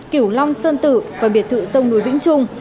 cửu long sơn tử và biệt thự sông núi vĩnh trung